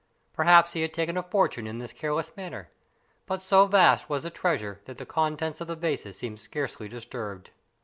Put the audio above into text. Perhaps he had taken a fortune in this careless manner; but so vast was the treasure that the contents of the vases seemed scarcely disturbed.